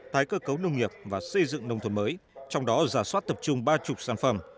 thay cơ cấu nông nghiệp và xây dựng nông thôn mới trong đó giả soát tập trung ba mươi sản phẩm